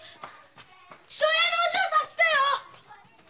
庄屋のお嬢さん来たよ！